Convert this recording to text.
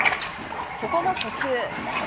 ここも初球。